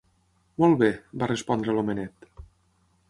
"Molt bé", va respondre l'homenet.